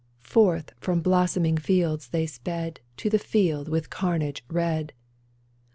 Forth from blossoming fields they sped To the fields with carnage red !